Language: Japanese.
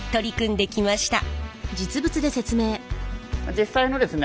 実際のですね